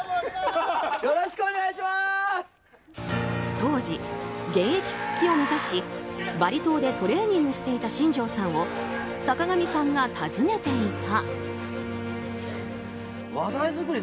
当時、現役復帰を目指しバリ島でトレーニングをしていた新庄さんを坂上さんが訪ねていた。